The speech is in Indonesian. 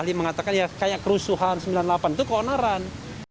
ali mengatakan ya kayak kerusuhan sembilan puluh delapan itu keonaran